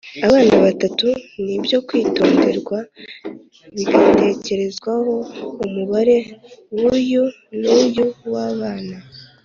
abana batatu ni ibyo kwitonderwa bigatekerezwaho ; umubare uyu n’uyu w’abana